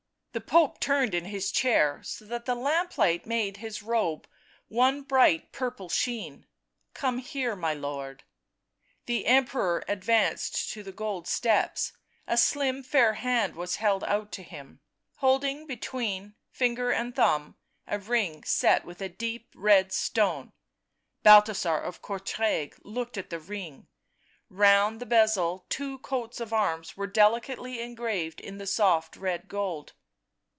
The Pope turned in his chair so that the lamplight made his robe one bright purple sheen. " Come here, my lord." The Emperor advanced to the gold steps ; a slim fair hand was held out to him, holding, between finger and thumb, a ring set with a deep red stone. Balthasar of Courtrai looked at the ring; round the bezel two coats of arms were delicately engraved in the soft red gold.